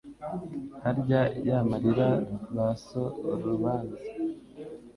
Harya yamarira ba so urubanza